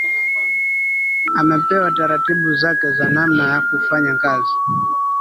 amepewa taratibu zake za namna ya kufanya kazi